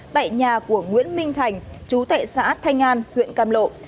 tại nhà của nguyễn minh thành chú tại xã thanh an huyện cam lộ